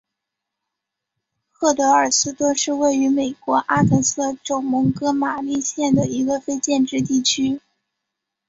赫德尔斯顿是位于美国阿肯色州蒙哥马利县的一个非建制地区。